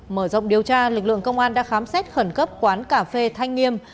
mở rộng điều tra lực lượng công an đã khám xét khẩn cấp quán cà phê thanh nghiêm